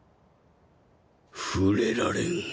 触れられん。